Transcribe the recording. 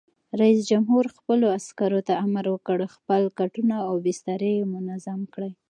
رئیس جمهور خپلو عسکرو ته امر وکړ؛ خپل کټونه او بسترې منظم کړئ!